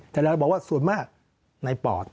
แต่เราบอกว่าส่วนมากในปอด